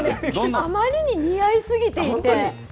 あまりに似合い過ぎていて。